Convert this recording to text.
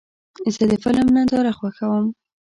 زه د فلم ننداره خوښوم.